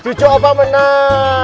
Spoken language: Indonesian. cucu opa menang